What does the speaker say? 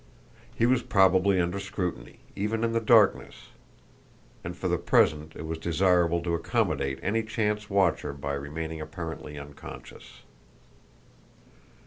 He was probably under scrutiny, even in the darkness, and for the present it was desirable to accommodate any chance watcher by remaining apparently unconscious.